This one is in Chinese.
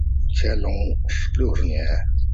乾隆六十年。